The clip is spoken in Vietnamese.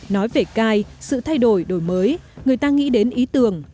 nói về cai sự thay đổi đổi mới người ta nghĩ đến ý tưởng